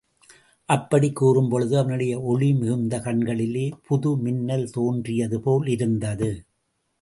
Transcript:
அப்படிக் கூறும்பொழுது அவனுடைய ஒளி மிகுந்த கண்களிலே புது மின்னல் தோன்றியதுபோல் இருந்தது.